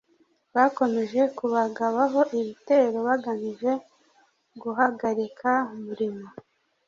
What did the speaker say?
bakomeje kubagabaho ibitero bagamije guhagarika umurimo